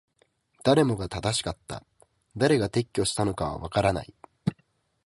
誰もが正しかった。誰が撤去したのかはわからない。